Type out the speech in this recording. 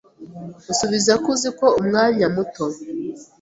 Usubiza ku ziko umwanya muto